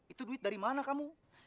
itu duit dari mana kamu